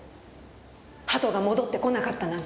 鳩が戻ってこなかったなんて。